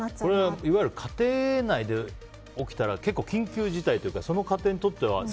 これ、いわゆる家庭内で起きたら結構、緊急事態というかその家庭にとっては。